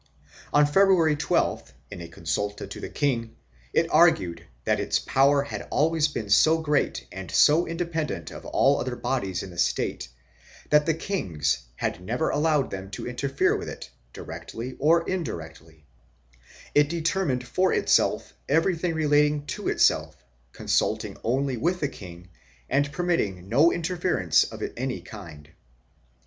On Febru ary 12th, in a consulta to the king, it argued that its power had always been so great and so independent of all other bodies in the State that the kings had never allowed them to interfere with it, directly or indirectly; it determined for itself everything relating to itself, consulting only with the king and permitting no interference of any kind.